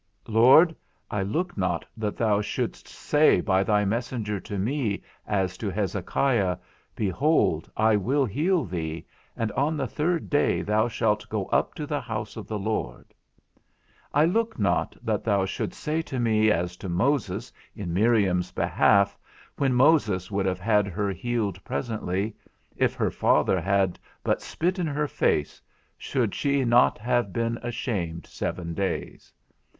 Lord, I look not that thou shouldst say by thy messenger to me, as to Hezekiah, Behold, I will heal thee, and on the third day thou shalt go up to the house of the Lord. I look not that thou shouldst say to me, as to Moses in Miriam's behalf, when Moses would have had her healed presently, _If her father had but spit in her face, should she not have been ashamed seven days?